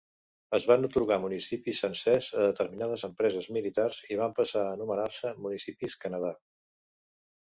Es van atorgar municipis sencers a determinades empreses militars i van passar a anomenar-se municipis "Canadà".